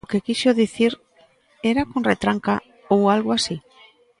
O que quixo dicir, ¿era con retranca ou algo así?